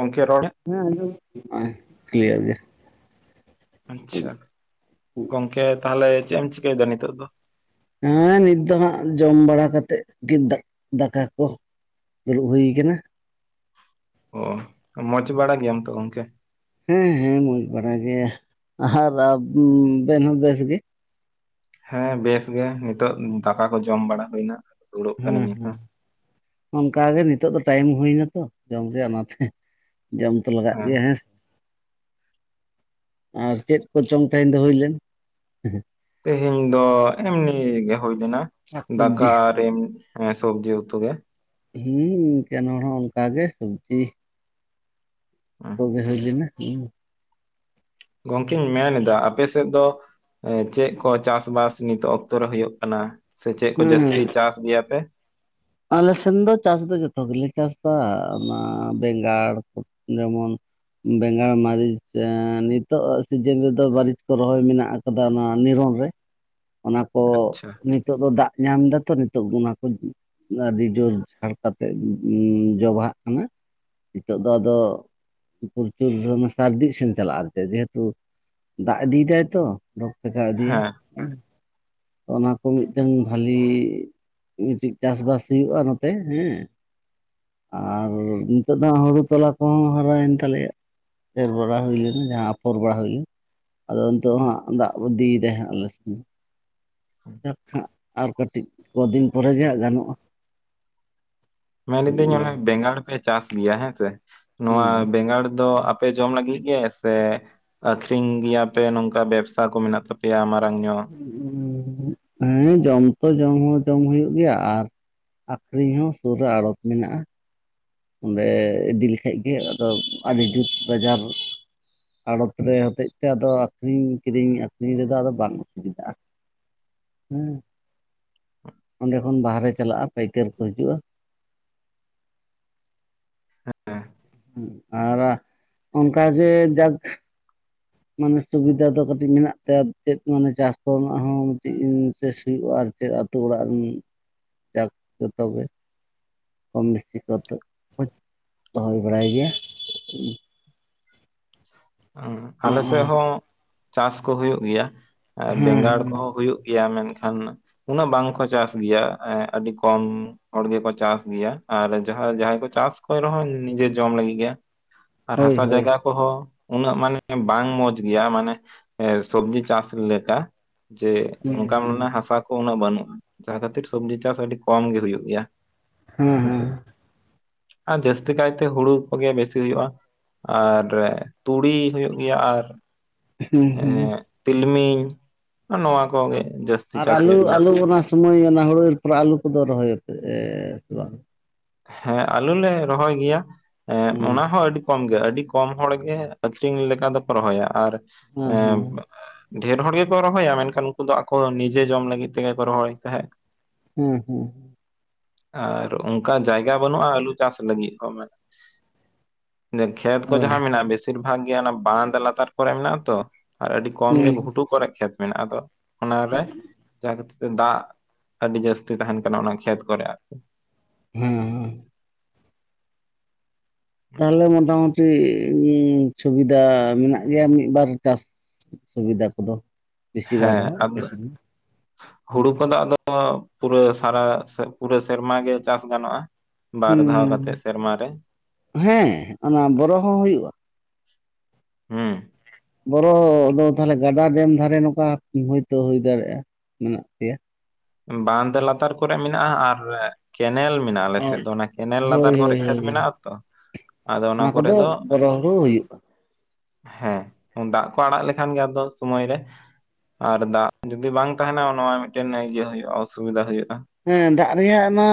ᱚᱚᱝᱠᱤᱭ ᱨᱚᱲᱮᱸ ᱦᱮᱸ ᱟᱡᱳᱢᱳᱜ ᱠᱟᱱᱟ ᱾ᱠᱞᱤᱭᱟᱨ ᱜᱮ ᱟᱪᱪᱷᱟ ᱜᱚᱝᱠᱮ ᱛᱟᱦᱚᱞᱮ ᱪᱮᱫ ᱮᱢ ᱪᱤᱠᱟᱹᱭᱮᱫᱟ, ᱱᱤᱛᱚᱜ ᱫᱚ? ᱦᱮᱸ ᱱᱤᱛ ᱫᱚ ᱦᱟᱸᱜ ᱡᱚᱢ ᱵᱟᱲᱟ ᱠᱟᱛᱮᱮᱫ᱾ ᱜ ᱫᱟᱠᱟ ᱠᱚ᱾ ᱫᱩᱲᱩᱵ ᱦᱩᱭ ᱟᱠᱟᱱᱟ᱾ ᱚ ᱢᱚᱸᱡᱷᱽ ᱵᱟᱲᱟ ᱜᱮᱭᱟᱢ ᱛᱚ ᱜᱚᱝᱠᱮ? ᱦᱮᱸ, ᱦᱮᱸ ᱢᱚᱸᱡᱷᱽ ᱵᱟᱲᱟ ᱜᱮ, ᱟᱨ ᱟᱵᱮᱱ ᱦᱚᱸ ᱵᱮᱥ ᱜᱮ? ᱦᱮᱸ ᱵᱮᱥ ᱜᱮ, ᱱᱤᱛᱚᱜ ᱫᱟᱠᱟ ᱠᱚ ᱡᱚᱢ ᱵᱟᱲᱟ ᱦᱩᱭᱱᱟ᱾ ᱫᱩᱲᱩᱵ ᱦᱩᱸ, ᱠᱟᱹᱱᱟᱹᱧ ᱦᱟᱸᱜ ᱦᱩᱸ᱾ ᱚᱱᱠᱟᱜ ᱜᱮ ᱱᱤᱛᱚᱜ ᱫᱚ, ᱴᱟᱭᱤᱢ ᱦᱩᱭ ᱮᱱᱟ ᱛᱚ, ᱡᱚᱢ ᱨᱮᱭᱟᱜ ᱚᱱᱟᱛᱮ ᱡᱚᱢ ᱞᱟᱜᱟᱜ ᱜᱮᱭᱟ ᱦᱮᱸ, ᱟᱨ ᱪᱮᱫ ᱠᱚ ᱪᱚᱝ ᱛᱮᱦᱮᱸᱧ ᱫᱚ ᱦᱩᱭ ᱞᱮᱱ? ᱛᱮᱦᱮᱧ ᱫᱚ ᱮᱢᱱᱤ ᱜᱮ ᱦᱩᱭ ᱞᱮᱱᱟ᱾ ᱥᱟᱠ ᱫᱟᱠᱟ ᱥᱚᱵᱽᱡᱤ ᱮᱢ ᱦᱮᱸ ᱥᱚᱵᱽᱡᱤ ᱩᱛᱩ ᱜᱮ᱾ ᱦᱩᱸ ᱠᱮᱱ ᱦᱚᱲ ᱦᱚᱸ ᱚᱝᱠᱟᱜ ᱜᱮ ᱥᱚᱵᱽᱡᱤ ᱠᱚ ᱜᱮ ᱦᱩᱭ ᱞᱮᱱᱟ ᱦᱩᱸ᱾ ᱜᱚᱢᱠᱮᱧ ᱢᱮᱱ ᱫᱟ ᱟᱯᱮ ᱥᱮᱫ ᱫᱚ ᱮᱸ ᱪᱮᱫ ᱠᱚ ᱪᱟᱥᱵᱟᱥ ᱱᱤᱛᱚᱜ ᱚᱠᱛᱚ ᱨᱮ ᱦᱩᱭᱩᱜ ᱠᱟᱱᱟ? ᱥᱮ ᱪᱮᱫ ᱠᱚ ᱦᱩᱸ ᱡᱟᱹᱥᱛᱤ ᱪᱟᱥ ᱜᱮᱭᱟᱯᱮ? ᱟᱞᱮ ᱥᱮᱱ ᱫᱚ ᱪᱟᱥ ᱫᱚ ᱡᱷᱚᱛᱚ ᱜᱮᱞᱮ ᱪᱟᱥ ᱫᱟ ᱚᱱᱟ ᱵᱮᱸᱜᱟᱲ ᱡᱮᱢᱚᱱ ᱵᱮᱸᱜᱟᱲ ᱢᱟᱹᱨᱤᱪ ᱱᱤᱛᱚᱜ ᱥᱤᱡᱤᱸᱱ ᱨᱮᱫᱚ ᱢᱟᱹᱨᱤᱡ ᱠᱚ ᱨᱚᱦᱚᱭ ᱢᱮᱱᱟᱜ ᱟᱠᱟᱫᱟ ᱚᱱᱟ ᱱᱤᱨᱚᱱ ᱨᱮ᱾ [inaudible] ᱚᱱᱟ ᱠᱚ ᱟᱪᱪᱷᱟ ᱱᱤᱸᱛᱚᱜ ᱫᱚ ᱫᱟᱜ ᱧᱟᱢ ᱫᱟ ᱛᱚ ᱱᱤᱛᱚᱜ ᱚᱱᱟ ᱠᱚ ᱟᱹᱰᱤ ᱡᱳᱨ ᱦᱟᱲᱠᱟᱛᱮᱜ ᱡᱚ ᱵᱟᱦᱟᱜ ᱠᱟᱱᱟ, ᱱᱤᱛᱚᱜ ᱫᱚ ᱟᱫᱚ ᱯᱨᱚᱪᱩᱨ ᱫᱚ ᱥᱟᱨᱫᱤ ᱥᱮᱱ ᱪᱟᱞᱟᱜᱼᱟ ᱟᱨ ᱡᱮᱦᱮᱛᱩ ᱫᱟᱜ ᱤᱫᱤᱭᱮᱫᱟᱭ ᱛᱚ᱾ ᱨᱳᱜ ᱴᱮᱠᱟᱣ ᱤᱫᱤᱭᱟ᱾ ᱦᱮᱸ ᱚᱱᱟ ᱠᱚ ᱢᱤᱫᱴᱟᱝ ᱵᱷᱟᱞᱤ ᱢᱤᱫᱴᱤᱡ ᱪᱟᱥ-ᱵᱟᱥ ᱦᱩᱭᱩᱜᱼᱟ ᱱᱚᱛᱮ ᱦᱮᱸ? ᱟᱨ ᱱᱤᱛᱚᱜ ᱫᱚ ᱦᱟᱸᱜ ᱦᱩᱲᱩ ᱛᱚᱞᱟ ᱠᱚᱦᱚᱸ ᱦᱟᱨᱟᱭᱮᱱ ᱛᱟᱞᱮᱭᱟ᱾ ᱮᱨ ᱵᱟᱲᱟ ᱦᱩᱭ ᱞᱮᱱᱟ ᱡᱟᱦᱟᱸ ᱟᱯᱷᱚᱨ ᱵᱟᱲᱟ ᱦᱩᱭ ᱞᱮᱱ ᱟᱫᱚ ᱱᱤᱛᱚᱜ ᱦᱟᱸᱜ ᱫᱟᱜ ᱤᱫᱤᱭ ᱫᱟ ᱟᱞᱮ ᱥᱮᱱ᱾ ᱱᱤᱛᱚᱜ ᱦᱟᱸᱜ ᱟᱨ ᱠᱟᱹᱴᱤᱡ ᱠᱚ ᱫᱤᱱ ᱯᱚᱨᱮ ᱜᱮ ᱦᱟᱸᱜ ᱜᱟᱱᱚᱜᱼᱟ᱾ ᱢᱮᱱᱤᱫᱟᱹᱧ ᱚᱱᱟ ᱵᱮᱸᱜᱟᱲ ᱯᱮ ᱪᱟᱥ ᱜᱮᱭᱟ ᱦᱮᱸᱥᱮ ᱱᱚᱣᱟ ᱦᱩᱸ ᱵᱮᱸᱜᱟᱲ ᱫᱚ ᱟ ᱯᱮ ᱡᱚᱢ ᱞᱟᱹᱜᱤᱫ ᱜᱮ ᱥᱮ ᱟᱹᱠᱷᱨᱤᱧ ᱜᱮᱭᱟᱯᱮ ᱱᱚᱝᱠᱟ ᱵᱮᱵᱽᱥᱟ ᱠᱚ ᱢᱮᱱᱟᱜ ᱛᱟᱯᱮᱭᱟ ᱢᱟᱨᱟᱝ ᱧᱚᱜ? ᱦᱩᱸ ᱡᱚᱢ ᱛᱚ ᱡᱚᱢ ᱦᱚᱸ ᱡᱚᱢ ᱦᱩᱭᱩᱜ ᱜᱮᱭᱟ ᱟᱨ ᱟᱹᱠᱷᱨᱤᱧ ᱦᱚᱸ ᱥᱩᱨ ᱨᱮ ᱟᱲᱚᱛ ᱢᱮᱱᱟᱜᱼᱟ᱾ ᱚᱸᱰᱮ ᱤᱫᱤ ᱞᱮᱠᱷᱟᱡᱜᱤ ᱟᱫᱚ ᱟᱹᱰᱤ ᱡᱩᱛ ᱵᱟᱡᱟᱨ ᱟᱲᱚᱛ ᱨᱮ ᱦᱚᱛᱮᱡ ᱛᱮ ᱟᱫᱚ ᱟᱹᱷᱨᱤᱧ ᱠᱤᱨᱤᱸᱧ ᱟᱠᱷᱨᱤᱧ ᱨᱮᱫᱚ ᱟᱫᱚ ᱵᱟᱝ ᱚᱥᱩᱵᱤᱫᱟᱜᱼᱟ᱾ ᱦᱩᱸ ᱚᱸᱰᱮ ᱠᱷᱚᱱ ᱵᱟᱦᱮᱨᱮ ᱪᱟᱞᱟᱜᱼᱟ ᱯᱟᱹᱭᱠᱟᱹᱨ ᱠᱚ ᱦᱤᱡᱩᱜᱼᱟ, ᱦᱮᱸ ᱟᱨᱟ ᱚᱱᱠᱟ ᱜᱮ ᱡᱟᱠ ᱢᱟᱱᱮ ᱥᱩᱵᱤᱫᱟ ᱫᱚ ᱠᱟᱹᱴᱤᱡ ᱢᱮᱱᱟᱜ ᱛᱟᱭᱟ ᱪᱮᱫ ᱢᱟᱱᱮ ᱪᱟᱥ ᱠᱚᱨᱮᱱᱟᱜ ᱦᱚᱸ ᱢᱤᱫᱴᱤᱡ ᱤᱱᱴᱮᱥ ᱦᱩᱭᱩᱜᱼᱟ ᱟᱨ ᱪᱮᱫ ᱟᱛᱳ ᱚᱲᱟᱜ ᱨᱮᱱ ᱡᱟᱠ ᱡᱷᱚᱛᱚ ᱜᱮ ᱠᱚᱢ ᱵᱮᱥᱤ ᱠᱚᱛᱮ ᱠᱚ ᱫᱚᱦᱚᱭ ᱵᱟᱲᱟᱭ ᱜᱮᱭᱟ᱾ ᱩᱸ ᱟᱞᱮ ᱥᱮᱫ ᱦᱚᱸ ᱪᱟᱥ ᱠᱚ ᱦᱩᱭᱩᱜ ᱜᱮᱭᱟ᱾ ᱟ ᱵᱮᱸᱜᱟᱲ ᱦᱮᱸ ᱠᱚᱦᱚᱸ ᱦᱩᱭᱩᱜ ᱜᱮᱭᱟ ᱢᱮᱱᱠᱷᱟᱱ ᱩᱱᱟᱹᱜ ᱵᱟᱝ ᱠᱚ ᱪᱟᱥ ᱜᱮᱭᱟ ᱟᱹᱰᱤ ᱠᱚᱢ ᱦᱚᱲᱜᱮᱠᱚ ᱪᱟᱥ ᱜᱮᱭᱟ ᱟᱨ ᱡᱟᱦᱟᱭ ᱡᱟᱦᱟᱭ ᱠᱚ ᱪᱟᱥ ᱠᱚ ᱨᱮᱦᱚᱸ ᱱᱤᱡᱮ ᱡᱚᱢ ᱞᱟᱹᱜᱤᱫ ᱜᱮ, ᱟᱨ ᱦᱳᱭ ᱦᱟᱥᱟ ᱦᱳᱭ ᱡᱟᱭᱜᱟ ᱠᱚᱦᱚ ᱩᱱᱟᱹᱜ ᱢᱟᱱᱮ ᱵᱟᱝ ᱢᱚᱸᱡᱽ ᱜᱮᱭᱟ ᱢᱟᱱᱮ ᱥᱚᱵᱽᱡᱤ ᱪᱟᱥ ᱞᱮᱠᱟ ᱡᱮ ᱦᱩᱸ ᱚᱱᱠᱟ ᱦᱩᱸ ᱢᱟᱱᱮ ᱦᱟᱥᱟ ᱩᱱᱟᱹᱜ ᱵᱟᱹᱱᱩᱜ ᱡᱟᱦᱟᱸ ᱠᱷᱟᱹᱛᱤᱨ ᱥᱚᱵᱽᱡᱤ ᱪᱟᱥ ᱟᱹᱰᱤ ᱠᱚᱢ ᱜᱮ ᱦᱩᱭᱩᱜ ᱜᱮᱭᱟ ᱦᱮᱸ ᱦᱮᱸᱥᱮ᱾ ᱦᱮᱸ ᱟᱨ ᱡᱟᱹᱥᱛᱤ ᱠᱟᱭᱛᱮ ᱦᱩᱲᱩ ᱠᱚᱜᱮ ᱵᱮᱥᱤ ᱦᱩᱭᱩᱜᱼᱟ ᱟᱨ ᱛᱩᱲᱤ ᱦᱩᱭᱩᱜ ᱜᱮᱭᱟ ᱟᱨ ᱦᱩᱸ ᱮᱸᱜ ᱛᱤᱞᱢᱤᱧ ᱱᱚᱣᱟ ᱠᱚ ᱦᱩᱸ ᱟᱨ ᱟᱞᱩ ᱟᱞᱩ ᱚᱱᱟ ᱥᱚᱢᱚᱭ ᱚᱱᱟ ᱦᱩᱲᱩ ᱯᱚᱨᱮ ᱟᱹᱞᱩ ᱠᱚᱫᱚ ᱨᱚᱦᱚᱭ [unintelligible] ᱵᱟᱝ? ᱦᱮᱸ ᱟᱞᱩ ᱞᱮ ᱨᱚᱦᱚᱭ ᱜᱮᱭᱟ ᱮᱸᱫ ᱦᱩᱸ ᱚᱱᱟ ᱦᱚᱸ ᱟᱹᱰᱤ ᱠᱚᱢ ᱜᱮᱭᱟ ᱟᱹᱰᱤ ᱠᱚᱢ ᱦᱚᱲ ᱜᱮ ᱟᱹᱠᱷᱨᱤᱸᱧ ᱞᱮᱠᱟ ᱫᱚᱠᱚ ᱨᱚᱦᱚᱭᱟ, ᱟᱨ ᱦᱮᱸ ᱮᱸᱜ ᱦᱮᱸ ᱰᱷᱮᱨ ᱦᱚᱲ ᱜᱮᱠᱚ ᱨᱚᱦᱚᱭᱟ ᱢᱮᱱᱠᱷᱟᱱ ᱩᱱᱠᱩ ᱫᱚ ᱟᱠᱚ ᱱᱤᱡᱮ ᱡᱚᱢ ᱞᱟᱹᱜᱤᱫ ᱛᱮᱜᱮ ᱠᱚ ᱨᱚᱦᱚᱭ ᱛᱟᱦᱮᱸᱫ᱾ ᱦᱩᱸ ᱦᱩᱸ᱾ ᱟᱨ ᱚᱱᱠᱟ ᱡᱟᱭᱜᱟ ᱵᱟᱹᱱᱩᱜ-ᱟ ᱟᱹᱞᱩ ᱪᱟᱥ ᱞᱟᱹᱜᱤᱫ ᱦᱚᱸ ‌ᱢᱟ ᱮ ᱠᱷᱮᱛ ᱠᱚ ᱦᱳᱭ ᱡᱟᱦᱟᱸ ᱢᱮᱱᱟᱜ-ᱟ ᱵᱮᱥᱤᱨ ᱵᱷᱟᱜᱽ ᱜᱮ ᱚᱱᱟ ᱵᱟᱸᱫᱽ ᱞᱟᱛᱟᱨ ᱠᱚᱨᱮ ᱢᱮᱱᱟᱜ-ᱟ ᱛᱚ᱾ ᱟᱨ ᱟᱹᱰᱤ ᱦᱩᱸ ᱠᱚᱢ ᱜᱮ ᱦᱮᱸ ᱜᱷᱩᱴᱩ ᱠᱚᱨᱮ ᱠᱷᱮᱛ ᱢᱮᱱᱟᱜ-ᱟ ᱟᱫᱚ ᱚᱱᱟ ᱨᱮ ᱡᱟᱦᱟᱸ ᱠᱷᱟᱹᱛᱤᱨ ᱛᱮ ᱫᱟᱜ ᱟᱹᱰᱤ ᱡᱟᱹᱥᱛᱤ ᱛᱟᱦᱮᱸᱱ ᱠᱟᱱᱟ ᱚᱱᱟ ᱠᱷᱮᱛ ᱠᱚᱨᱮ ᱟᱨᱠᱤ᱾ ᱦᱩᱸ ᱦᱩᱸ ᱛᱟᱦᱞᱮ ᱢᱳᱴᱟᱢᱩᱴ ᱴᱤ ᱩᱸ ᱥᱩᱵᱤᱫᱟ ᱢᱮᱱᱟᱜ ᱜᱮᱭᱟ ᱢᱤᱫ ᱵᱟᱨ ᱪᱟᱥ ᱥᱩᱵᱤᱫᱟ ᱠᱚᱫᱚ᱾ ᱵᱮᱥᱤ ᱵᱟᱝ ᱦᱮᱸ ᱨᱮᱦᱚᱸ ᱟᱯᱮ ᱟᱢᱫᱚ ᱥᱮᱫ ᱫᱚ ᱦᱩᱲᱩ ᱠᱚᱫᱚ ᱟᱫᱚ ᱫᱚ ᱯᱩᱨᱟᱹ ᱥᱟᱨᱟ ᱥᱮ ᱯᱩᱨᱟᱹ ᱥᱮᱨᱢᱟ ᱜᱮ ᱪᱟᱥ ᱜᱟᱱᱚᱜ-ᱟ᱾ ᱦᱩᱸᱻ ᱦᱮᱸ ᱚᱱᱟ ᱵᱚᱨᱚ ᱦᱚᱸ ᱦᱩᱭᱩᱜ-ᱟ᱾ ᱦᱮᱸ ᱵᱚᱨᱚ ᱫᱚ ᱛᱟᱦᱞᱮ ᱜᱟᱰᱟ ᱰᱮᱢ ᱫᱷᱟᱨᱮ ᱱᱚᱝᱠᱟ ᱦᱳᱭᱛᱳ ᱦᱩᱭ ᱫᱟᱲᱮᱭᱟᱜ-ᱟ ᱢᱮᱱᱟᱜ ᱯᱮᱭᱟ ᱵᱟᱸᱫᱽ ᱞᱟᱛᱟᱨ ᱠᱚᱨᱮ ᱢᱮᱱᱟᱜ-ᱟ ᱟᱨ ᱠᱮᱱᱮᱞ ᱢᱮᱱᱟᱜ-ᱟ ᱟᱞᱮ ᱚ ᱥᱮᱫ ᱫᱚ ᱚᱱᱟ ᱠᱮᱱᱮᱞ ᱦᱳᱭ ᱞᱟᱛᱟᱨ ᱠᱚᱨᱮ ᱦᱳᱭ ᱠᱷᱮᱛ ᱦᱳᱭ ᱢᱮᱱᱟᱜ-ᱟ ᱛᱚ᱾ ᱟᱫᱚ ᱚᱱᱟ ᱠᱚᱨᱮ ᱠᱚᱫᱚ ᱫᱚ ᱵᱚᱨᱚ ᱦᱩᱲᱩ ᱦᱩᱭᱩᱜᱼᱟ᱾ ᱦᱮᱸ ᱫᱟᱜ ᱠᱚ ᱟᱲᱟᱜ ᱞᱮᱠᱷᱟᱱ ᱜᱮ ᱟᱫᱚ ᱥᱚᱢᱚᱭ ᱨᱮ ᱟᱨ ᱫᱟᱜ ᱡᱩᱫᱤ ᱵᱟᱝ ᱛᱟᱦᱮᱸᱱᱟ ᱱᱚᱣᱟ ᱢᱤᱫᱴᱮᱱ ᱤᱭᱟᱹ ᱦᱩᱭᱩᱜ-ᱟ ᱚᱥᱩᱵᱤᱫᱟ ᱦᱩᱭᱩᱜ-ᱟ᱾ ᱦᱮᱸ ᱫᱟᱜ ᱨᱮᱭᱟᱜ ᱢᱟ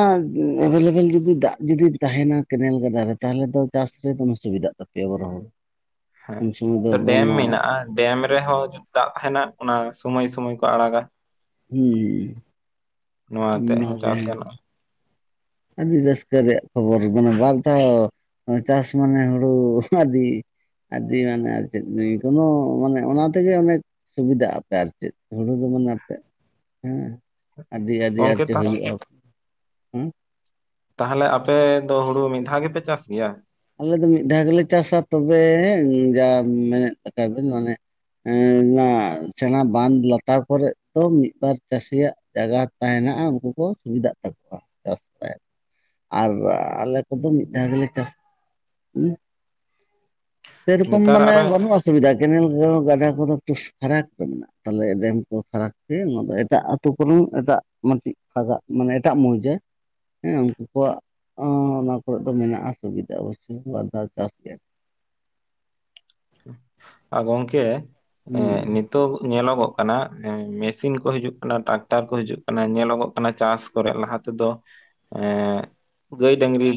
ᱮᱵᱮᱞᱮᱵᱮᱞ ᱡᱩᱫᱤ ᱫᱟᱜ ᱡᱩᱫᱤ ᱛᱟᱦᱮᱸᱱᱟ ᱠᱮᱱᱮᱞ ᱜᱟᱰᱟ ᱨᱮ ᱛᱟᱦᱞᱮ ᱫᱚ ᱪᱟᱥ ᱨᱮ ᱫᱚᱢᱮ ᱥᱩᱵᱤᱫᱟᱜ ᱛᱟᱯᱮᱭᱟ ᱵᱚᱨᱚ ᱦᱚᱲᱚ ᱦᱮᱸ ᱫᱚ ᱰᱮᱢ ᱢᱮᱱᱟᱜ-ᱟ᱾ ᱰᱮᱢ ᱨᱮᱦᱚᱸ ᱡᱩᱫᱤ ᱫᱟᱜ ᱛᱟᱦᱮᱸᱱᱟ ᱚᱱᱟ ᱥᱩᱢᱚᱭ ᱥᱩᱢᱚᱭ ᱠᱚ ᱟᱲᱟᱜ-ᱟ᱾ ᱦᱩᱸᱻ ᱱᱚᱣᱟ ᱟᱛᱮᱫ ᱦᱚᱸ ᱪᱟᱥ ᱜᱟᱱᱚᱜ-ᱟ᱾ ᱟᱹᱰᱤ ᱨᱟᱹᱥᱠᱟᱹ ᱨᱮᱭᱟᱜ ᱠᱷᱚᱵᱚᱨ ᱢᱟᱱᱮ ᱵᱟᱨᱫᱷᱟᱣ ᱪᱟᱥ ᱢᱟᱱᱮ ᱦᱩᱲᱩ ᱟᱹᱰᱤ ᱟᱹᱰᱤ ᱢᱟᱱᱮ ᱟᱨ ᱪᱮᱫ ᱠᱳᱱᱳ ᱢᱟᱱᱮ ᱚᱱᱟ ᱛᱮᱜᱮ ᱚᱱᱮ ᱥᱩᱵᱤᱫᱟᱜ ᱟᱯᱮ ᱟᱨ ᱪᱮᱫ ᱦᱩᱲᱩ ᱫᱚᱢᱮ [unintelligible] ᱟᱹᱰᱤ ᱟᱹᱰᱤ ᱟᱨ ᱜᱚᱝᱠᱮ ᱪᱮᱫ ᱛᱟ ᱦᱩᱭᱩᱜ-ᱟ ᱦᱩᱸ ᱛᱟᱦᱞᱮ ᱟᱯᱮᱻ ᱫᱚ ᱦᱩᱲᱩ ᱢᱤᱫ ᱫᱷᱟᱣ ᱜᱮᱯᱮ ᱪᱟᱥ ᱜᱮᱭᱟ? ᱟᱞᱮ ᱫᱚ ᱢᱤᱫ ᱫᱷᱟᱣ ᱜᱮᱞᱮ ᱪᱟᱥᱟ ᱛᱚᱵᱮ ᱡᱟ ᱢᱮᱱᱮᱫ [unintelligible] ᱦᱮᱸ [unintelligible] ᱵᱟᱸᱫᱽ ᱞᱟᱛᱟᱨ ᱠᱚᱨᱮᱜ ᱫᱚ ᱢᱤᱫ ᱵᱟᱨ ᱪᱟᱹᱥᱤᱭᱟᱜ ᱡᱟᱭᱜᱟ ᱛᱟ ᱦᱮᱱᱟᱜ-ᱟ ᱩᱱᱠᱩ ᱠᱚ ᱥᱩᱵᱤᱫᱷᱟᱜ ᱛᱟᱠᱚᱣᱟ ᱪᱟᱥ ᱛᱮ ᱟᱨ ᱟᱞᱮ ᱠᱚᱫᱚ ᱢᱤᱫ ᱫᱷᱟᱣ ᱜᱮᱞᱮ ᱪᱟᱥ ᱩᱸ ᱥᱮ ᱨᱚᱠᱚᱢ ᱱᱮᱛᱟᱨ ᱢᱟᱱᱮ ᱟᱨᱚ ᱵᱟᱹᱱᱩᱜ-ᱟ ᱥᱩᱵᱤᱫᱷᱟ ᱠᱮᱱᱮᱞ ᱠᱚ ᱜᱟᱰᱟ ᱠᱚᱫᱚ [unintelligible] ᱯᱷᱟᱨᱟᱠ ᱠᱚ ᱢᱮᱱᱟᱜ-ᱟ᱾ ᱛᱟᱦᱞᱮ ᱰᱮᱢ ᱠᱚ ᱯᱷᱟᱨᱟᱠ ᱜᱮ ᱱᱚᱣᱟ ᱫᱚ ᱮᱴᱟᱜ ᱟᱹᱛᱳ ᱠᱚᱨᱮᱱ ᱮᱴᱟᱜ [unintelligible] ᱯᱷᱟᱜᱟᱜ ᱢᱟᱱᱮ ᱮᱴᱟᱜ ᱢᱩᱦᱡᱟᱹ ᱦᱮᱸ ᱩᱱᱠᱩᱣᱟᱜ ᱚᱱᱟ ᱠᱚᱨᱮ ᱫᱚ ᱢᱮᱱᱟᱜ-ᱟ ᱥᱩᱵᱤᱫᱷᱟ [unintelligible] ᱵᱟᱨᱫᱷᱟᱣ ᱪᱟᱥ ᱜᱮᱭᱟ ᱟ ᱜᱚᱝᱠᱮ ᱮ ᱦᱩᱸ ᱱᱤᱛ ᱛᱚᱜ ᱧᱮᱞᱚᱜᱚᱜ ᱠᱟᱱᱟ ᱮ ᱢᱮᱥᱤᱱ ᱠᱚ ᱦᱤᱡᱩᱜ ᱠᱟᱱᱟ ᱴᱨᱟᱠᱴᱟᱨ ᱠᱚ ᱦᱤᱡᱩᱜ ᱠᱟᱱᱟ ᱧᱮᱞᱚᱜᱚᱜ ᱠᱟᱱᱟ ᱪᱟᱥ ᱠᱚᱨᱮ ᱞᱟᱦᱟ ᱛᱮᱫᱚ ᱮᱸ ᱜᱟᱹᱭ ᱰᱟᱹᱝᱨᱤ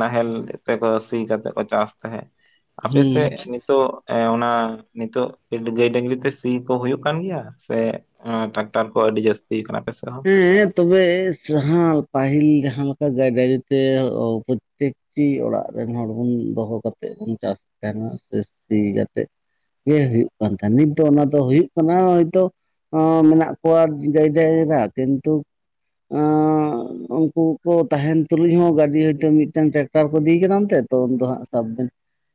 ᱱᱟᱦᱮᱞ ᱛᱮᱠᱚ ᱥᱤ ᱠᱟᱛᱮᱫ ᱠᱚ ᱪᱟᱥ ᱛᱟᱦᱮᱸᱫ ᱦᱩᱸ ᱟᱯᱮᱥᱮᱫ ᱱᱤᱛ ᱛᱚᱜ ᱮ ᱚᱱᱟ ᱱᱤᱛᱚᱜ ᱜᱟᱹᱭ ᱰᱟᱹᱝᱨᱤ ᱛᱮ ᱥᱤ ᱠᱚ ᱦᱳᱭ ᱠᱟᱱ ᱜᱮᱭᱟ ᱥᱮ ᱟᱸ ᱴᱨᱟᱠᱴᱟᱨ ᱠᱚ ᱟᱹᱰᱤ ᱡᱟᱹᱟᱥᱛᱤᱭ ᱠᱟᱱᱟ ᱟᱯᱮᱥᱮᱫ ᱦᱚᱸ᱾ ᱦᱮᱸ ᱛᱚᱵᱮ ᱡᱟᱦᱟᱸ ᱯᱟᱹᱦᱤᱞ ᱡᱟᱦᱟᱸ ᱞᱮᱠᱟ ᱜᱟᱹᱭ ᱰᱟᱹᱝᱨᱤ ᱛᱮ ᱯᱨᱚᱛᱛᱮᱠ ᱴᱤ ᱚᱲᱟᱜ ᱨᱮᱱ ᱦᱚᱲ ᱵᱚᱱ ᱫᱚᱦᱚ ᱠᱟᱛᱮᱫ ᱵᱚᱱ ᱪᱟᱥ ᱛᱟᱦᱮᱸᱱᱟ ᱥᱤ ᱠᱟᱛᱮᱫ ᱜᱮ ᱦᱩᱭᱩᱜ ᱠᱟᱱ ᱛᱟᱦᱮᱸᱱ, ᱱᱤᱛ ᱫᱚ ᱚᱱᱟ ᱫᱚ ᱦᱩᱭᱩᱜ ᱠᱟᱱᱟ ᱦᱚᱭᱛᱳ ᱟᱸᱻ ᱢᱮᱱᱟᱜ ᱠᱚᱣᱟ ᱜᱟᱹᱭ ᱰᱟᱝᱨᱟ ᱠᱤᱱᱛᱩ ᱟᱸᱻ ᱩᱱᱠᱩ ᱠᱚ ᱛᱟᱦᱮᱸᱱ ᱛᱩᱞᱩᱡ ᱦᱚᱸ ᱜᱟᱰᱤ ᱦᱳᱭᱛᱳ ᱢᱤᱫᱴᱟᱝ ᱴᱟᱠ ᱴᱟᱨ ᱠᱚ ᱤᱫᱤ ᱠᱟᱫᱟ ᱚᱱᱛᱮ ᱛᱚ ᱩᱱ ᱫᱚ ᱦᱟᱸᱜ ᱥᱟᱵ ᱵᱮᱱ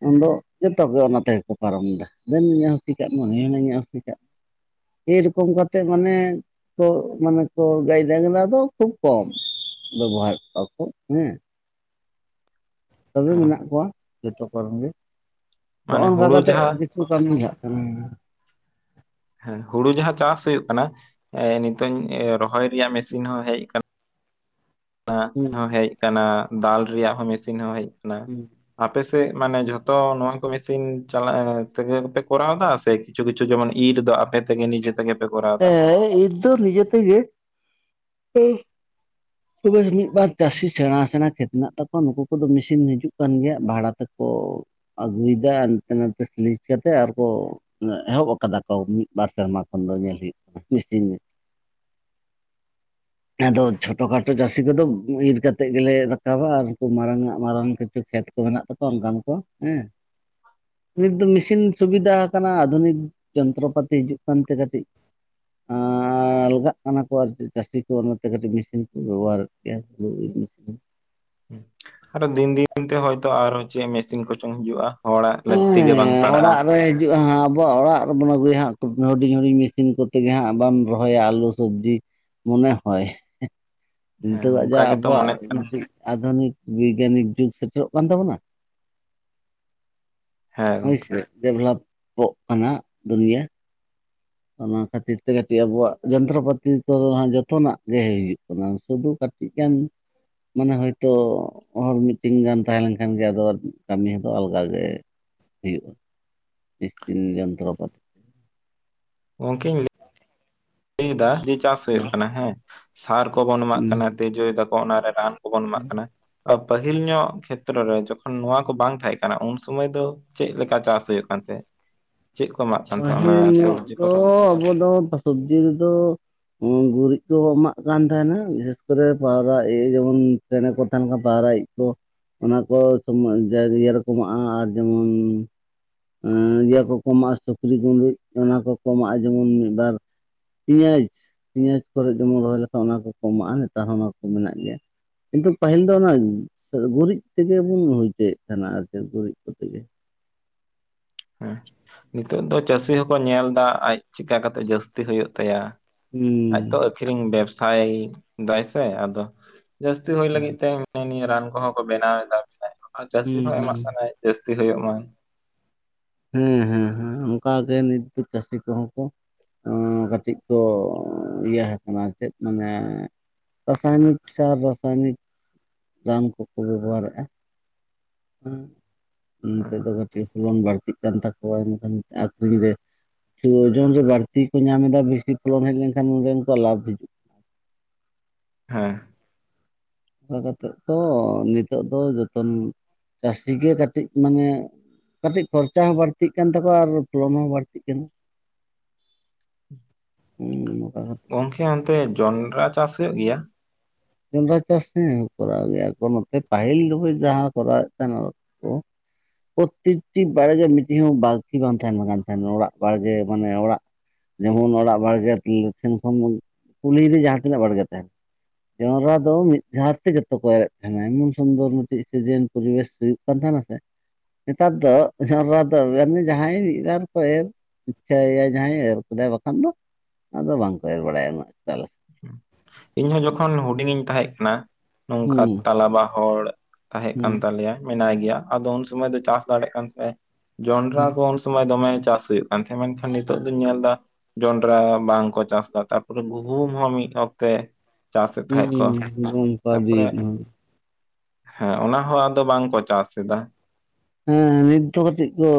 ᱩᱱᱫᱚ ᱡᱚᱛᱚ ᱜᱮ ᱚᱱᱟ ᱛᱮᱜᱮ ᱠᱚ ᱯᱟᱨᱚᱢᱮᱫᱟ ᱫᱮᱱ ᱤᱧᱟ ᱦᱚᱸ ᱥᱤ ᱠᱟᱜ ᱢᱮ, ᱩᱱᱤ ᱦᱚᱸ ᱢᱮᱱᱮᱜ-ᱟ ᱤᱧᱟᱜ ᱦᱚᱸ ᱥᱤ ᱠᱟᱜ ᱮᱨᱚᱠᱚᱢ ᱠᱟᱛᱮᱜ ᱢᱟᱱᱮ, ᱛᱚ ᱢᱟᱱᱮ ᱠᱚ ᱜᱟᱹᱭ ᱰᱟᱝᱨᱟ ᱫᱚ ᱠᱷᱩᱵ ᱠᱚᱢ, ᱵᱮᱵᱚᱦᱟᱨᱮᱜ ᱠᱚᱣᱟ ᱠᱚ ᱦᱮᱸ, ᱛᱚᱵᱮ ᱦᱮᱸ ᱢᱮᱱᱟᱜ ᱠᱚᱣᱟ ᱡᱚᱛᱚ ᱠᱚ ᱨᱮᱱ ᱜᱮ, ᱛᱚ ᱢᱟᱱᱮ ᱦᱚᱸᱜᱼᱚᱝᱠᱟ ᱦᱩᱲᱩ ᱠᱟᱛᱮᱜ ᱡᱟᱦᱟᱸ ᱜᱤ ᱠᱚ ᱠᱟᱢᱤᱭᱟᱜ ᱠᱟᱱᱟ᱾ ᱦᱮᱸ ᱦᱩᱲᱩ ᱡᱟᱦᱟᱸ ᱪᱟᱥ ᱦᱩᱭᱩᱜ ᱠᱟᱱᱟ, ᱮᱸ ᱱᱤᱛᱚᱝ ᱮ ᱨᱚᱦᱚᱭ ᱨᱮᱭᱟᱜ ᱢᱮᱥᱤᱱ ᱦᱚᱸ ᱦᱮᱡ ᱠᱟ ᱱᱟ, ᱦᱩᱸ [inaudible] ᱦᱚᱸ ᱦᱮᱡ ᱠᱟᱱᱟ, ᱫᱟᱞ ᱨᱮᱭᱟᱜ ᱦᱚᱸ ᱢᱮᱥᱤᱱ ᱦᱚᱸ ᱦᱮᱡ ᱠᱟᱱᱟ᱾ ᱦᱩᱸ ᱟᱯᱮ ᱥᱮᱫ ᱢᱟᱱᱮ ᱡᱷᱚᱛᱚ ᱱᱚᱣᱟ ᱠᱚ ᱢᱮᱥᱤᱱ ᱪᱟᱞᱟᱜ [inaudible] ᱛᱮᱜᱮ ᱯᱮ ᱠᱚᱨᱟᱣ ᱮᱫᱟ ᱥᱮ ᱠᱤ ᱪᱷᱩ ᱠᱤᱪᱷᱩ ᱡᱮᱢᱚᱱ ᱤᱨ ᱫᱚ ᱟᱯᱮ ᱛᱮᱜᱮ ᱱᱤᱡᱮ ᱛᱮᱜᱮ ᱯᱮ ᱠᱚᱨᱟᱣ ᱮᱫᱟ? ᱦᱮᱸ ᱤᱨ ᱫᱚ ᱱᱤᱡᱮ ᱛᱮᱜᱮ᱾ ᱛᱚᱵᱮ ᱢᱤᱫ ᱵᱟᱨ ᱪᱟᱥᱤ ᱥᱮᱬᱟ ᱥᱮᱬᱟ ᱠᱷᱮᱛ ᱢᱮᱱᱟᱜ ᱛᱟᱠᱚᱣᱟ ᱱᱩᱠᱩ ᱠᱚᱫᱚ ᱢᱮᱥᱤᱱ ᱦᱤᱡᱩᱜ ᱠᱟᱱ ᱜᱮᱭᱟ ᱵᱷᱟᱲᱟ ᱛᱮᱠᱚ ᱟᱜᱩᱭᱮᱫᱟ ᱦᱟᱱᱛᱮ ᱱᱟᱛᱮ ᱥᱞᱤᱡ ᱠᱟᱛᱮᱫ ᱟᱨᱠᱚ ᱚᱱᱟ ᱮᱦᱚᱵ ᱟᱠᱟᱫᱟ ᱠᱚ ᱢᱤᱫ ᱵᱟᱨ ᱥᱮᱨᱢᱟ ᱠᱷᱚᱱ ᱫᱚ ᱧᱮᱞ ᱦᱩᱭᱩᱜ ᱠᱟᱱᱟ᱾ [inaudible] ᱟᱫᱚ ᱪᱷᱚ -ᱴᱚ ᱠᱷᱟᱴᱚ ᱪᱟᱥᱤ ᱠᱚᱫᱚ ᱤᱨ ᱠᱟᱛᱮᱜ ᱜᱮᱞᱮ ᱨᱟᱠᱟᱵᱟ ᱟᱨ ᱩᱝᱠᱩ ᱢᱟᱨᱟᱝ ᱟᱜ ᱢᱟᱨᱟᱝ ᱠᱤᱪᱷᱩ ᱠᱷᱮᱛ ᱠᱚ ᱢᱮᱱᱟᱜ ᱛᱟᱠᱚᱣᱟ ᱚᱱᱠᱟᱱ ᱠᱚ ᱦᱮᱸ, ᱱᱤᱛ ᱫᱚ ᱢᱮᱥᱤᱱ ᱥᱩᱵᱤᱫᱟ ᱟᱠᱟᱱᱟ ᱟᱫᱷᱩᱱᱤᱠ, ᱡᱚᱱᱛᱨᱚ ᱯᱟᱛᱤ ᱦᱤᱡᱩᱜ ᱠᱟᱱᱛᱮ ᱠᱟᱴᱤᱡ ᱟᱸᱻ ᱟᱞᱜᱟᱜ ᱠᱟᱱᱟ ᱠᱚ ᱟᱨ ᱪᱮᱫ ᱪᱟᱥᱤ ᱠᱚ ᱚᱱᱟᱛᱮ ᱠᱟᱹᱴᱤᱡ ᱢᱮᱥᱤᱱ ᱵᱮᱵᱚᱦᱟᱨ ᱠᱮᱜ-ᱟ [inaudible] ᱟᱨᱚ ᱫᱤᱱ ᱫᱤᱱ ᱛᱮ ᱦᱚᱭᱛᱚ ᱟᱨᱚ ᱪᱮᱜ ᱢᱮᱥᱤᱱ ᱠᱚᱪᱚᱝ ᱦᱤᱡᱩᱜᱼᱟ, ᱦᱚᱲᱟᱜ ᱞᱟᱹᱠᱛᱤ ᱜᱮ ᱵᱟᱝ ᱯᱟᱲᱟᱜᱼᱟ᱾ ᱦᱩᱭᱩᱜᱼᱟ ᱦᱟᱸᱜ ᱟᱵᱚᱣᱟᱜ ᱚᱲᱟᱜ ᱨᱮᱵᱚᱱ ᱟᱹᱜᱩᱭᱟ ᱦᱟᱸᱜ [inaudible] ᱦᱩᱰᱤᱧ ᱦᱩᱰᱤᱧ ᱢᱮᱥᱤᱱ ᱠᱚ ᱛᱮᱜᱮ ᱦᱟᱸᱜ ᱟᱨ ᱵᱟᱢ ᱨᱚᱦᱚᱭᱟ ᱟᱞᱩ ᱥᱚᱵᱽᱡᱤ ᱢᱚᱱᱮ ᱦᱚᱭ, ᱦᱮᱸ ᱱᱤᱛᱚᱜᱟᱜ ᱡᱟ ᱚᱱᱠᱟ ᱜᱮᱛᱚ ᱟᱵᱚᱣᱟᱜ ᱢᱚᱱᱮᱜ ᱠᱟᱱᱟ [inaudible] ᱟᱫᱷᱩᱱᱤᱠ ᱵᱤᱜᱽᱜᱟᱱᱤᱠ ᱡᱩᱜᱽ ᱥᱮᱴᱮᱨᱚᱜ ᱠᱟᱱ ᱛᱟᱵᱚᱱᱟ, ᱦᱮᱸ ᱦᱳᱭ ᱜᱚᱝᱠᱮ ᱥᱮ, ᱰᱮᱵᱷᱞᱟᱯᱚᱜ ᱠᱟᱱᱟ ᱫᱩᱱᱤᱭᱟᱹ᱾ ᱚᱱᱟ ᱠᱷᱟᱹᱛᱤᱨ ᱛᱮ ᱠᱟᱹᱴᱤᱡ ᱟᱵᱚᱣᱟᱜ ᱡᱚᱱᱛᱨᱚ ᱯᱟᱛᱤ ᱠᱚ ᱦᱟᱸᱜ ᱡᱚᱛᱚᱱᱟᱜ ᱜᱮ ᱦᱩᱭᱩᱜ ᱠᱟᱱᱟ ᱥᱩᱫᱷᱩ ᱠᱟ ᱴᱤᱡ ᱜᱟᱱ ᱢᱟᱱᱮ ᱦᱳᱭᱛᱳ, ᱦᱚᱲ ᱢᱤᱫᱴᱤᱝ ᱜᱟᱱ ᱛᱟᱦᱮᱸ ᱞᱮᱝᱠᱷᱟᱱ ᱜᱮ ᱟᱫᱚ ᱠᱟᱢᱤ ᱫᱚ ᱟᱞᱜᱟ ᱜᱮ᱾ ᱦᱩᱭᱩᱜᱼᱟ, ᱢᱮᱥᱤᱱ ᱡᱚᱱᱛᱨᱚ ᱯᱟᱛᱤ᱾ ᱜᱚᱝᱠᱮᱧ ᱞᱟᱹ ᱞᱟᱹᱭ ᱮᱫᱟ ᱡᱮ ᱪᱟᱥ ᱦᱩᱭᱩᱜ ᱠᱟᱱᱟ ᱦᱮᱸ, ᱥᱟᱨ ᱠᱚᱵᱚᱱ ᱮᱢᱟᱜ ᱦᱩᱸ ᱠᱟᱱᱟ ᱛᱤᱡᱩᱭ ᱫᱟᱠᱚ ᱚᱱᱟ ᱨᱮ ᱨᱟᱱ ᱠᱚᱵᱚᱱ ᱮᱢᱟᱜ ᱠᱟᱱᱟ᱾ [inaudible] ᱯᱟᱹᱦᱤᱞ ᱧᱚᱜ ᱠᱷᱮᱛᱨᱚ ᱨᱮ ᱡᱚᱠᱷᱚᱱ ᱱᱚᱣᱟ ᱠᱚ ᱵᱟᱝ ᱛᱟᱦᱮᱸ ᱠᱟᱱᱟ ᱩᱱ ᱥᱚᱢᱚᱭ ᱫᱚ ᱪᱮᱜ ᱞᱮᱠᱟ ᱪᱟᱥ ᱦᱩᱭᱩᱜ ᱠᱟᱱ ᱛᱟᱦᱮᱸᱜ? ᱯᱟᱹᱦᱤᱞ ᱧᱚᱜ ᱫᱚ ᱠᱚᱨᱮ ᱟᱵᱚ ᱫᱚ ᱥᱚᱵᱽᱡᱤ ᱨᱮᱫᱚ ᱜᱩᱨᱤᱡ ᱠᱚ ᱮᱢᱟᱜ ᱠᱟᱱ ᱛᱟᱦᱮᱸᱱᱟ ᱵᱤᱥᱮᱥ ᱠᱚᱨᱮ ᱯᱟᱣᱨᱟ [inaudible] ᱡᱮᱢᱚᱱ ᱪᱮᱬᱮ ᱠᱚ ᱛᱟᱦᱮᱸᱱ ᱠᱟᱱ ᱯᱟᱣᱨᱟ ᱤᱡ ᱠᱚ, ᱚᱱᱟ ᱠᱚ ᱥᱚᱢᱚᱭ [inaudible] ᱤᱭᱟᱹ ᱨᱚᱠᱚ ᱮᱢᱟᱜᱼᱟ ᱟᱨ ᱡᱮᱢᱚᱱ ᱟᱺᱻ [unintelligible] ᱠᱚ ᱠᱚ ᱮᱢᱟᱜᱼᱟ ᱥᱩᱠᱨᱤ ᱜᱩᱰᱩᱡ ᱚᱱᱟ ᱠᱚ ᱠᱚ ᱮᱢᱟᱜᱼᱟ ᱡᱮᱢᱚᱱ ᱢᱤᱫ ᱵᱟᱨ ᱯᱮᱭᱟᱡᱽ, ᱯᱮᱭᱟᱡᱽ ᱠᱚᱨᱮ ᱡᱮᱢᱚᱱ ᱨᱚᱦᱚᱭ ᱞᱮᱠᱷᱟᱱ ᱚᱱᱟ ᱠᱚ ᱠᱚ ᱮᱢᱟᱜᱼᱟ ᱱᱮᱛᱟᱨ ᱦᱚᱸ ᱚᱱᱟ ᱠᱚ ᱢᱮᱱᱟᱜ ᱜᱮᱭᱟ᱾ ᱠᱤᱱᱛᱩ ᱯᱟᱹᱦᱤᱞ ᱫᱚ ᱚᱱᱟ ᱜᱩᱨᱤᱡ ᱛᱮᱜᱮ ᱵᱚᱱ ᱦᱩᱭ ᱦᱚᱪᱚᱭ ᱮᱫ ᱛᱟᱦᱮᱱᱟ ᱟᱨᱠᱤ ᱜᱩᱨᱤᱡ ᱠᱚᱛᱮ ᱜᱮᱼᱼ ᱦᱮᱸ ᱱᱤᱛᱚᱜ ᱫᱚ ᱪᱟᱹᱥᱤ ᱦᱚᱸᱠᱚ ᱧᱮᱞ ᱮᱫᱟ ᱟᱡ ᱪᱮᱠᱟ ᱠᱟᱛᱮ ᱡᱟᱹᱥᱛᱤ ᱦᱩᱭᱩᱜ ᱛᱟᱭᱟ ᱦᱩᱸ ᱟᱡ ᱛᱚᱼᱼ ᱟᱠᱷᱨᱤᱧ ᱵᱮᱵᱥᱟᱭ ᱫᱟᱭ ᱥᱮ ᱟᱫᱚ ᱡᱟᱹᱥᱛᱤ ᱦᱩᱭ ᱞᱟᱹᱜᱤᱫ ᱛᱮᱼᱼ ᱦᱤᱱᱟ ᱱᱤᱭᱟᱹ ᱨᱟᱱ ᱠᱚᱦᱚᱸ ᱠᱚ ᱵᱮᱱᱟᱣ ᱮᱫᱟ ᱥᱮ ᱡᱟᱹᱥᱛᱤ ᱦᱩᱸ ᱦᱚᱸᱭ ᱦᱩᱸ ᱮᱢᱟᱜ ᱠᱟᱱᱟ ᱡᱟᱹᱥᱛᱤ ᱦᱩᱭᱩᱜ ᱢᱟ ᱦᱮᱸ ᱦᱮᱸ ᱦᱮᱸ ᱚᱱᱠᱟ ᱜᱮ ᱱᱤᱛ ᱫᱚ ᱪᱟᱹᱥᱤ ᱠᱚᱦᱚᱸ ᱠᱚ ᱚᱸ ᱠᱟᱹᱴᱤᱡ ᱠᱚ ᱤᱭᱟᱹ ᱟᱠᱟᱱᱟ ᱪᱮᱫ ᱢᱟᱱᱮᱼᱼ ᱨᱟᱥᱟᱭᱱᱤᱠ ᱥᱟᱨ ᱨᱟᱥᱟᱭᱱᱤᱠ ᱨᱟᱱ ᱠᱚᱠᱚ ᱵᱮᱵᱚᱦᱟᱨ ᱮᱫᱼᱟ ᱦᱮᱸ ᱱᱤᱛᱚᱜ ᱫᱚ ᱠᱟᱹᱴᱤᱡ ᱵᱚᱱ ᱵᱟᱹᱲᱛᱤᱜ ᱠᱟᱱ ᱛᱟᱠᱚᱣᱟ ᱮᱱᱠᱷᱟᱱ ᱟᱠᱷᱨᱤᱧ ᱨᱮᱼᱼ ᱳᱡᱚᱱ ᱨᱮ ᱵᱟᱹᱲᱛᱤ ᱠᱚ ᱧᱟᱢ ᱮᱫᱟ ᱵᱮᱥᱤ ᱯᱷᱚᱞᱚᱱ ᱦᱮᱡ ᱞᱮᱱ ᱠᱷᱟᱱ ᱚᱸᱰᱮ ᱩᱱᱠᱩᱣᱟᱜ ᱞᱟᱵᱷ ᱦᱤᱡᱩᱜᱼᱟ ᱦᱮᱸ ᱚᱱᱠᱟ ᱠᱟᱛᱮᱫ ᱛᱚ ᱱᱤᱛᱚᱜ ᱫᱚ ᱡᱚᱛᱚᱱ ᱪᱟᱹᱥᱤ ᱜᱮ ᱠᱟᱹᱴᱤᱡ ᱢᱟᱱᱮᱼᱼ ᱠᱟᱹᱴᱤᱡ ᱠᱷᱚᱨᱪᱟ ᱦᱚᱸ ᱵᱟᱹᱲᱛᱤᱜ ᱠᱟᱱ ᱛᱟᱠᱚᱣᱟ ᱟᱨ ᱯᱷᱚᱞᱳᱱ ᱦᱚᱸ ᱵᱟᱹᱲᱛᱤᱜ ᱠᱟᱱᱟ [inaudible] [unintelligible] ᱜᱚᱝᱠᱮ ᱚᱱᱛᱮ ᱡᱚᱱᱰᱨᱟ ᱪᱟᱥ ᱦᱩᱭᱩᱜ ᱜᱮᱭᱟ ᱡᱚᱸᱰᱨᱟ ᱪᱟᱥ ᱦᱮᱸ ᱠᱚᱨᱟᱣ ᱜᱮᱭᱟ ᱠᱚ ᱱᱚᱛᱮ ᱯᱟᱹᱦᱤᱞ [unintelligible] ᱡᱟᱦᱟᱸ ᱠᱚᱨᱟᱣ ᱮᱫ ᱛᱟᱦᱮᱱᱟ ᱠᱚ ᱾ ᱯᱨᱚᱛᱛᱮᱠᱴᱤ ᱵᱟᱲᱜᱮ ᱢᱤᱫᱴᱤᱡ ᱦᱚᱸ ᱵᱟᱠᱤ ᱵᱟᱝ ᱛᱟᱦᱮᱱ ᱠᱟᱱ ᱛᱟᱦᱮᱱᱟ ᱚᱲᱟᱜ ᱵᱟᱲᱜᱮ ᱢᱟᱱᱮ ᱚᱲᱟᱜ ᱡᱮᱢᱚᱱ ᱚᱲᱟᱜ ᱵᱟᱲᱜᱮ ᱥᱮᱱ ᱠᱷᱚᱱ ᱠᱩᱞᱦᱤ ᱨᱮ ᱡᱟᱦᱟᱸ ᱛᱤᱱᱟᱹᱜ ᱵᱟᱲᱜᱮ ᱛᱟᱦᱮᱱᱟ ᱡᱚᱱᱰᱨᱟ ᱫᱚ ᱢᱤᱫ ᱫᱷᱟᱣ ᱛᱮ ᱠᱚ ᱮᱨᱮᱫ ᱛᱟᱦᱮᱱᱟ ᱮᱢᱚᱱ ᱥᱩᱱᱫᱚᱨ ᱢᱤᱫᱴᱤᱡ ᱥᱤᱡᱮᱱ ᱯᱚᱨᱤᱵᱮᱥ ᱦᱩᱭᱩᱜ ᱠᱟᱱ ᱛᱟᱦᱮᱱᱟ ᱥᱮᱼᱼ ᱱᱮᱛᱟᱨ ᱫᱚ ᱡᱚᱸᱰᱨᱟ ᱫᱚ [unintelligible] ᱡᱟᱦᱟᱸᱭ ᱢᱤᱫ ᱵᱟᱨ ᱠᱚ ᱮᱨ᱾ ᱤᱪᱪᱷᱟᱹᱭ ᱮᱭᱟ ᱡᱟᱦᱟᱸᱭ ᱮᱨ ᱠᱮᱫᱟᱭ ᱵᱟᱠᱷᱟᱱ ᱫᱚ ᱟᱫᱚ ᱵᱟᱝ ᱠᱚ ᱮᱨ ᱵᱟᱲᱟᱭᱟ ᱩᱱᱟᱹᱜ ᱪᱟᱞᱮ ᱤᱧᱦᱚᱸ ᱡᱚᱠᱷᱚᱱ ᱦᱩᱰᱤᱧ ᱤᱧ ᱛᱟᱦᱮᱸ ᱠᱟᱱᱟ ᱱᱚᱝᱠᱟ ᱦᱩᱸ ᱛᱟᱞᱟᱵᱟ ᱦᱚᱲᱼᱼ ᱛᱟᱦᱮᱸ ᱦᱩᱸ ᱠᱟᱱ ᱛᱟᱞᱮᱭᱟ ᱢᱮᱱᱟᱭ ᱜᱮᱭᱟ ᱟᱫᱚ ᱩᱱ ᱥᱚᱢᱚᱭ ᱫᱚ ᱪᱟᱥ ᱫᱟᱲᱮᱭᱟᱜ ᱠᱟᱱ ᱛᱟᱭᱟ ᱡᱚᱱᱰᱨᱟ ᱠᱚ ᱩᱱᱼᱼ ᱥᱚᱢᱚᱭ ᱫᱚᱢᱮ ᱪᱟᱥ ᱦᱩᱭᱩᱜ ᱠᱟᱱ ᱛᱟᱦᱮᱸᱫ ᱢᱮᱱ ᱠᱷᱟᱱ ᱱᱤᱛᱚᱜ ᱫᱚᱧ ᱧᱮᱞ ᱮᱫᱟ᱾ ᱡᱚᱱᱰᱨᱟ ᱵᱟᱝ ᱠᱚ ᱪᱟᱥᱫᱟ ᱛᱟᱨᱯᱚᱨᱮ ᱜᱩᱦᱩᱢ ᱦᱚᱸ ᱢᱤᱫ ᱚᱠᱛᱮᱼᱼ ᱪᱟᱥ ᱮᱫ ᱛᱟᱦᱮᱸᱜ ᱠᱚ ᱦᱩᱸ ᱦᱩᱸ ᱚᱱᱠᱟ ᱛᱟᱯᱚᱨᱮ ᱫᱤᱱ ᱦᱮᱸ ᱚᱱᱟ ᱦᱚᱸ ᱟᱫᱚ ᱵᱟᱝ ᱠᱚ ᱪᱟᱥ ᱮᱫᱟ ᱦᱮᱸ ᱱᱤᱛ ᱫᱚ ᱠᱟᱹᱴᱤᱡ ᱠᱚ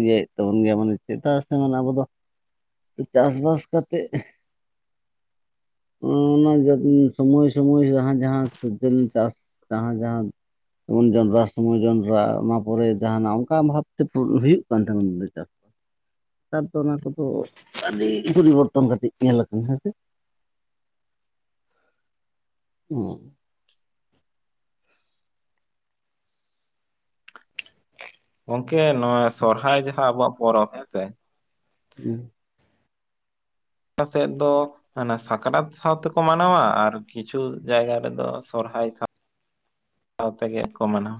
ᱤᱭᱟᱹᱭ ᱮᱫ ᱛᱟᱵᱚᱱ ᱜᱮᱭᱟ ᱢᱟᱱᱮ ᱪᱮᱫᱟᱜ ᱥᱮ ᱢᱟᱱᱮ ᱟᱵᱚ ᱫᱚᱼᱼ ᱪᱟᱥ ᱵᱟᱥ ᱠᱟᱛᱮᱜᱼᱼ [inaudible] ᱚᱱᱟ ᱥᱚᱢᱚᱭ ᱥᱚᱢᱚᱭ ᱡᱟᱦᱟᱸ [unintelligible] ᱩᱱ ᱡᱚᱸᱰᱨᱟ ᱥᱚᱢᱚᱭ ᱡᱚᱱᱰᱨᱟ [unintelligible] ᱯᱚᱨᱮ ᱡᱟᱦᱟᱱᱟᱜ ᱚᱱᱠᱟ ᱵᱷᱟᱵᱛᱮ ᱦᱩᱭᱩᱜ ᱠᱟᱱ ᱛᱟᱦᱮᱱᱟ ᱪᱟᱥᱼᱼ ᱱᱮᱛᱟᱨ ᱫᱚ ᱚᱱᱟ ᱠᱚᱫᱚ ᱟᱹᱰᱤ ᱯᱚᱨᱤᱵᱚᱨᱛᱚᱱ ᱠᱟᱹᱴᱤᱡ ᱧᱮᱞ ᱟᱠᱟᱱᱟ ᱦᱮᱸᱥᱮ [inaudible] [unintelligible] ᱜᱚᱝᱠᱮ ᱱᱚᱣᱟ ᱥᱚᱨᱦᱟᱭ ᱡᱟᱦᱟᱸ ᱟᱵᱚᱣᱟᱜ ᱯᱚᱨᱚᱵᱽ ᱦᱮᱸᱥᱮ [unintelligible] [unintelligible] ᱥᱮᱫ ᱫᱚᱼᱼ ᱚᱱᱟ ᱥᱟᱠᱨᱟᱛ ᱥᱟᱶ ᱛᱮᱠᱚ ᱢᱟᱱᱟᱣᱟ ᱟᱨ ᱠᱤᱪᱷᱩ ᱡᱟᱭᱜᱟ ᱨᱮᱫᱚ ᱥᱚᱨᱦᱟᱭ ᱥᱟᱶᱼᱼ ᱥᱟᱶ ᱛᱮᱜᱮᱜ ᱠᱚ ᱢᱟᱱᱟᱣ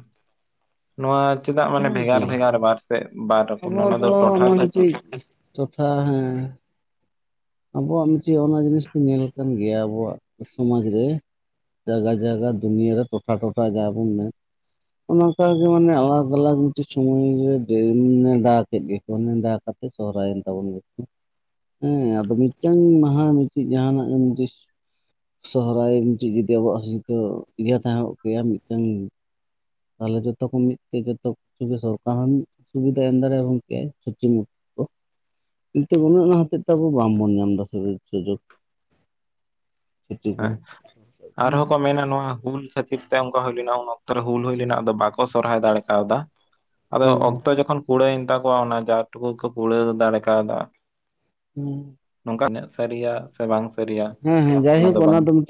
ᱱᱚᱣᱟ ᱪᱮᱫᱟᱜ ᱢᱟᱱᱮ ᱵᱷᱮᱜᱟᱨ ᱵᱷᱮᱜᱟᱨ ᱵᱟᱨ ᱥᱮᱫ ᱵᱟᱨ ᱨᱚᱠᱚᱢ ᱚᱱᱟ ᱫᱚ ᱴᱚᱴᱷᱟ ᱠᱷᱟᱹᱛᱤᱨᱼᱼ ᱛᱚᱛᱷᱟ ᱦᱮᱸᱼᱼ ᱟᱵᱚᱣᱟᱜ ᱢᱤᱫᱴᱮᱱ ᱚᱱᱟ ᱡᱤᱱᱤᱥ ᱫᱚᱧ ᱧᱮᱞ ᱠᱟᱱ ᱜᱮᱭᱟ ᱟᱵᱚᱣᱟᱜ ᱥᱚᱢᱟᱡᱽ ᱨᱮᱼᱼ ᱡᱟᱭᱜᱟ ᱡᱟᱭᱜᱟ ᱫᱩᱱᱤᱭᱟ ᱨᱮ ᱴᱚᱴᱷᱟ ᱴᱚᱴᱷᱟ ᱡᱟᱦᱟᱸ ᱵᱚᱱ ᱢᱮᱱᱼᱼ ᱚᱱᱠᱟᱟᱜᱮ ᱢᱟᱱᱮ ᱟᱞᱟᱫᱟ ᱟᱞᱟᱠ ᱢᱤᱫᱴᱮᱡ ᱥᱳᱢᱚᱭ ᱨᱮ ᱫᱟᱜ ᱠᱮᱫ ᱜᱮ᱾ ᱥᱚᱱᱮᱰᱮ ᱦᱟᱠᱚᱛ ᱥᱚᱦᱚᱨᱟᱭ ᱮᱱ [unintelligible] ᱜᱚᱱ ᱵᱛᱩ ᱦᱩᱸ ᱢᱤᱫᱴᱟᱝ ᱢᱟᱦᱟ ᱢᱤᱫᱴᱤᱡ ᱡᱟᱦᱟᱱᱟᱜ ᱜᱮᱥ ᱥᱚᱦᱨᱟᱭ ᱢᱤᱫᱴᱮᱱ ᱡᱩᱫᱤ ᱟᱵᱚᱣᱟᱜ ᱦᱳᱭ ᱛᱚ ᱤᱭᱟᱹ ᱛᱟᱦᱮᱸ ᱠᱮᱭᱟ, ᱢᱤᱫᱴᱟᱝ ᱛᱟᱦᱚᱞᱮ ᱡᱚᱛᱚᱠᱷ ᱠᱷᱚᱱ ᱢᱤᱫ ᱛᱮ ᱡᱚᱛᱚ ᱠᱤᱪᱷᱩᱜ ᱜᱮ ᱥᱚᱨᱠᱟᱨ ᱦᱚᱸ ᱥᱩᱵᱤᱫᱷᱟ [unintelligible] ᱮᱢ ᱫᱟᱲᱮᱭᱟᱜ ᱠᱮᱫ [inaudible] ᱠᱤᱱᱛᱩ ᱚᱱᱮ ᱚᱱᱟ ᱦᱚᱛᱮᱡ ᱛᱮ, ᱟᱵᱚ ᱵᱟᱝᱵᱚᱱ ᱧᱟᱢᱫᱟ ᱥᱩᱡᱳᱜ ᱥᱩᱡᱳᱜ᱾ ᱦᱮᱸ, ᱟᱨᱦᱚᱸ ᱠᱚ ᱢᱮᱱᱟ ᱱᱚᱣᱟ ᱦᱩᱞ ᱠᱷᱟᱹᱛᱤᱨ ᱛᱮ ᱚᱱᱠᱟ ᱦᱩᱭ ᱞᱮᱱᱟ, ᱩᱱ ᱚᱠᱛᱚ ᱨᱮ ᱦᱩᱞ ᱦᱩᱭ ᱞᱮᱱᱟ ᱟᱫᱚ ᱵᱟᱠᱚ ᱥᱚᱨᱦᱟᱭ ᱫᱟᱲᱮ ᱠᱟᱣᱫᱟ᱾ ᱟᱫᱚ ᱚᱠᱛᱚ ᱡᱚᱠᱷᱚᱱ ᱠᱩᱲᱟᱹᱭ ᱮᱱ ᱛᱟᱠᱚᱣᱟ, ᱚᱱᱟ ᱡᱟ ᱴᱩᱠᱩ ᱠᱚ ᱠᱩᱲᱟᱹ ᱫᱟᱲᱮ ᱠᱟᱣᱫᱟ᱾ ᱦᱩᱸ᱾ ᱱᱚᱝᱠᱟᱜ ᱥᱟᱹᱨᱤᱭᱟ ᱥᱮ, ᱵᱟᱝ ᱥᱟᱹᱨᱤᱭᱟ ᱦᱮᱸ ᱦᱮᱸ ᱚᱱᱟ ᱡᱟᱭᱦᱳᱠ ᱫᱚ ᱵᱟᱝ᱾ ᱢᱤᱫᱴᱤᱡ